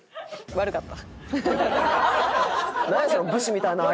「悪かった」。